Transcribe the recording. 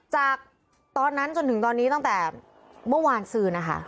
จากตอนนั้นจนถึงตอนนี้ตั้งแต่เมื่อวานซืนนะคะ